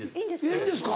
いいんですか？